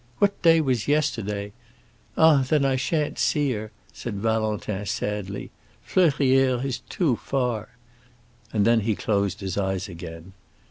What day was yesterday? Ah, then I shan't see her," said Valentin sadly. "Fleurières is too far!" And then he closed his eyes again.